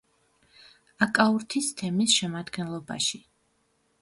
აკაურთის თემის შემადგენლობაში.